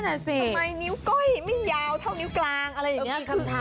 โอ้วนั่นจะโหดไปจะพึ่งต่อย